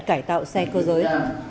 cải tạo xe cơ giới